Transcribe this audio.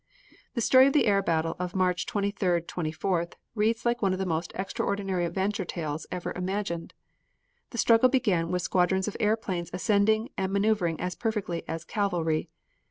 The story of the air battle of March 23d 24th reads like one of the most extraordinary adventure tales ever imagined. The struggle began with squadrons of airplanes ascending and maneuvering as perfectly as cavalry.